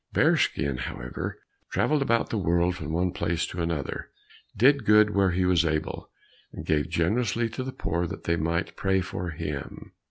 Bearskin, however, travelled about the world from one place to another, did good where he was able, and gave generously to the poor that they might pray for him.